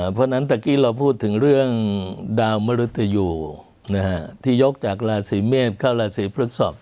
เพราะฉะนั้นตะกี้เราพูดถึงเรื่องดาวมรุตอยู่ที่ยกจากราศีเมษเข้าราศีพฤกษก